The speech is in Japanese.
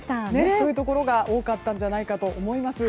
そういうところが多かったんじゃないかと思います。